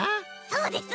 そうです！